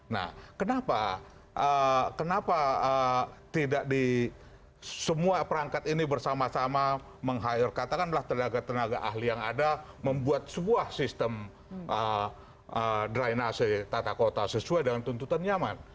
nah kenapa kenapa tidak di semua perangkat ini bersama sama meng hire katakanlah tenaga tenaga ahli yang ada membuat sebuah sistem drainase tata kota sesuai dengan tuntutan nyaman